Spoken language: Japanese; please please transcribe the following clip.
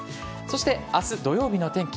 明日土曜日の天気。